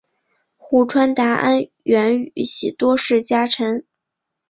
户川达安原宇喜多氏家臣。